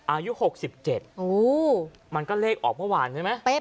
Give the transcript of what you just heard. อายุ๖๗มันก็เลขออกเมื่อวานใช่ไหม